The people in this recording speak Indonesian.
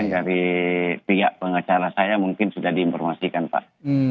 dari pihak pengacara saya mungkin sudah diinformasikan pak